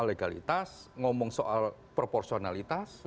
tentang budaya kita prosesnya tentang informasi kita tentang periasanya tentang periasanya